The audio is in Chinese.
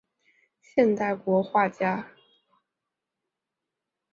现代国画家。